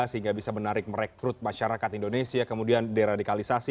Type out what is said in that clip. sehingga bisa menarik merekrut masyarakat indonesia kemudian deradikalisasi